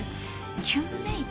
キュンメイト？